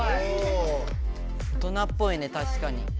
大人っぽいねたしかに。